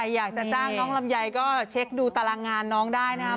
อยากจะจ้างน้องลำไยก็เช็คดูตารางงานน้องได้นะครับ